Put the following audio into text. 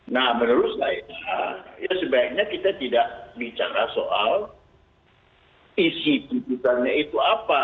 nah menurut saya ya sebaiknya kita tidak bicara soal isi putusannya itu apa